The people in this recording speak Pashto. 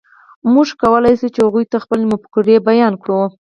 موږ کولی شول، چې هغوی ته خپلې مفکورې بیان کړو.